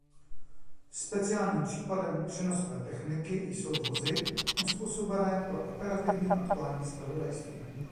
Speciálním případem přenosové techniky jsou vozy uzpůsobené pro operativní aktuální zpravodajství.